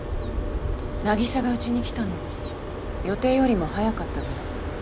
凪沙がうちに来たの予定よりも早かったけど。